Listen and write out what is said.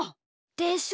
でしょ？